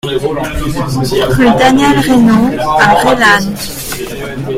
Rue Daniel Reynaud à Reillanne